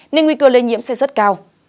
nên nguy cơ lây nhiễm sẽ rất cao